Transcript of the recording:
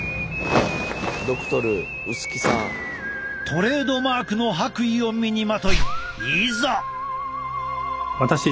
トレードマークの白衣を身にまといいざ。